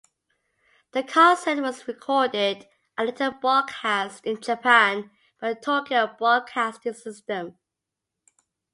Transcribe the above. The concert was recorded and later broadcast in Japan by the Tokyo Broadcasting System.